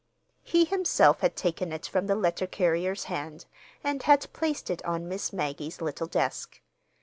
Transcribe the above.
He himself had taken it from the letter carrier's hand and had placed it on Miss Maggie's little desk.